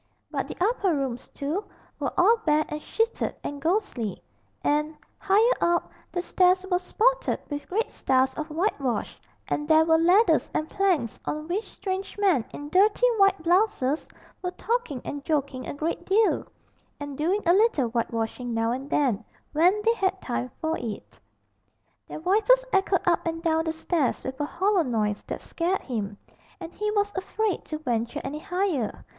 But the upper rooms, too, were all bare and sheeted and ghostly, and, higher up, the stairs were spotted with great stars of whitewash, and there were ladders and planks on which strange men in dirty white blouses were talking and joking a great deal, and doing a little whitewashing now and then, when they had time for it. Their voices echoed up and down the stairs with a hollow noise that scared him, and he was afraid to venture any higher.